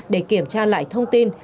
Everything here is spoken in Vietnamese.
để kiểm tra lại thông tin